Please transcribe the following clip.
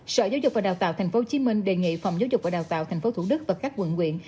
sở giáo dục và đào tạo tp hcm đề nghị phòng giáo dục và đào tạo tp thủ đức và các quận quyện